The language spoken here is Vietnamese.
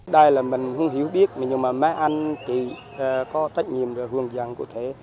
đây là mình không hiểu biết nhưng mà má anh thì có tác nhiệm và hướng dẫn của thế